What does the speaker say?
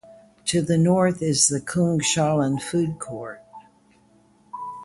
To the north is the Kungshallen food court.